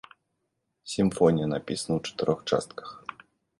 Сімфонія напісана ў чатырох частках.